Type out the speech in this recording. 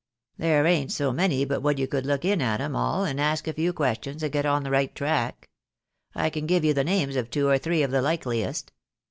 There ain't so many but what you could look in at 'em all, and ask a few questions, and get on the right track. I can give you the names of two or three of the likeliest."